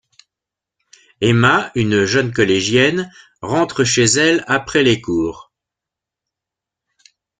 Emma, une jeune collégienne, rentre chez elle après les cours.